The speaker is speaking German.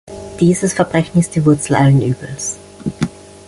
Dieses Verbrechen ist die Wurzel allen Übels!